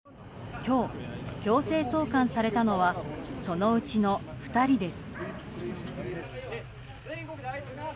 今日、強制送還されたのはそのうちの２人です。